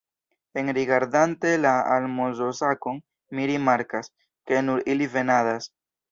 Enrigardante la almozosakon mi rimarkas, ke nur ili venadas.